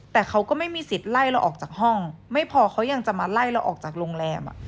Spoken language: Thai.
แต่เขาก็ไม่มีสิทธิ์ไล่เราออกจากห้องไม่พอเขายังจะมาไล่เราออกจากโรงแรม